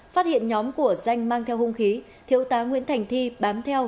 phát hiện nhóm của danh mang theo hung khí thiếu tá nguyễn thành thi bám theo